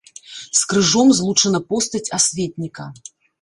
З крыжом злучана постаць асветніка.